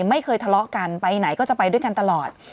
ไม่เคยทะเลาะกันไปไหนก็จะไปด้วยกันตลอด